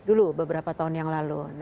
dulu beberapa tahun yang lalu